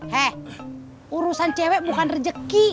hei urusan cewek bukan rezeki